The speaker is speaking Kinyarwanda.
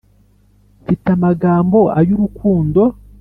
mfite amagambo ayu rukundo